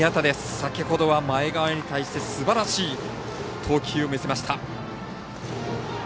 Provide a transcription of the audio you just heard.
先ほどは前川に対してすばらしい投球を見せました。